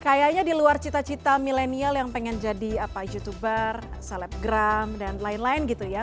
kayaknya di luar cita cita milenial yang pengen jadi apa youtuber selebgram dan lain lain gitu ya